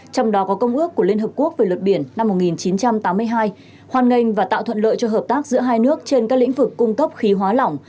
trong đó có công ước của liên hợp quốc về luật biển năm một nghìn chín trăm tám mươi hai hoàn ngành và tạo thuận lợi cho hợp tác giữa hai nước trên các lĩnh vực cung cấp khí hóa lỏng